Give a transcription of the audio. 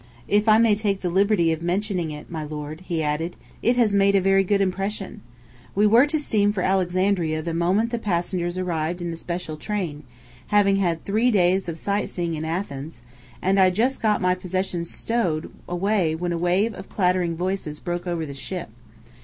"If I may take the liberty of mentioning it, my lord," he added, "it has made a very good impression." We were to steam for Alexandria the moment the passengers arrived in the special train having had three days of sightseeing in Athens and I had just got my possessions stowed away when a wave of chattering voices broke over the ship.